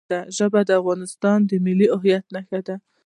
ژبې د افغانستان د ملي هویت نښه ده.